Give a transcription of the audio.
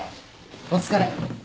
お疲れ。